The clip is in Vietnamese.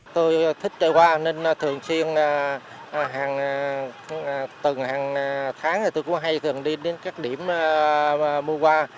tôi thích chợ hoa nên thường xuyên từng hàng tháng tôi cũng hay đi đến các điểm mua hoa